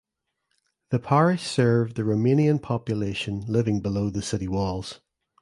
The parish served the Romanian population living below the city walls.